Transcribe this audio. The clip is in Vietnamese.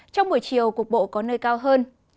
trong buổi chiều cuộc bộ có nơi cao hơn